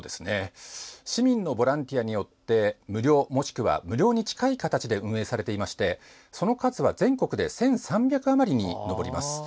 市民のボランティアによって無料、もしくは無料に近い形で運営されていましてその数は全国で１３００あまりに上ります。